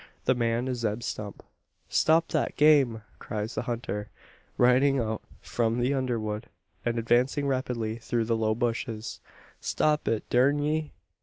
The man is Zeb Stump. "Stop that game!" cries the hunter, riding out from the underwood and advancing rapidly through the low bushes; "stop it, durn ye!"